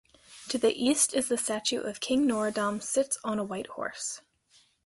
To the east is the statue of King Norodom sits on a white horse.